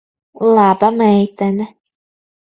Laba meitene.